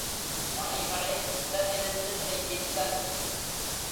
பணிகளை உடனிருந்து செய்வித்தல்.